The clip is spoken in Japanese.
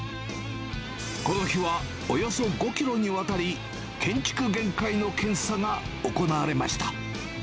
この日はおよそ５キロにわたり、建築限界の検査が行われました。